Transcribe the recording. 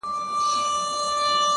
زما په مرگ دي خوشالي زاهدان هيڅ نکوي _